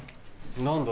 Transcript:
何だ？